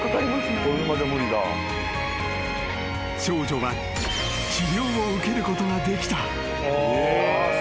［少女は治療を受けることができた］